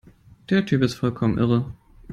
Der Typ ist vollkommen irre!